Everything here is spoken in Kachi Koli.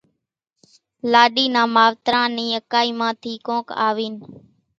لاڏي نان ماوتران نِي اڪائي مان ٿي ڪونڪ آوين،